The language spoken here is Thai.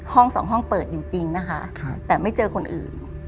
ห้องสองห้องเปิดอยู่จริงนะคะแต่ไม่เจอคนอื่น